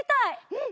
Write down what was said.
うん！